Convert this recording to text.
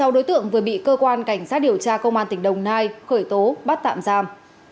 sáu đối tượng vừa bị cơ quan cảnh sát điều tra công an tỉnh đồng nai khởi tố bắt tạm giam